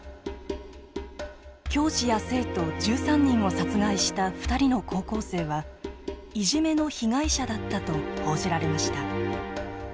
教師や生徒１３人を殺害した２人の高校生はいじめの被害者だったと報じられました。